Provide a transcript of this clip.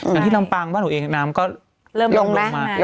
ลำที่ลำปางบ้านหนูเองน้ำก็เริ่มลงมา